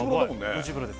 内風呂です